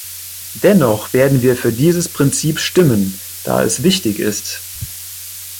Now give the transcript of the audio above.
Dennoch werden wir für dieses Prinzip stimmen, da es wichtig ist.